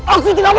aku tidak mau